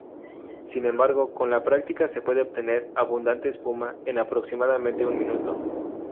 Sin embargo, con la práctica se puede obtener abundante espuma en aproximadamente un minuto.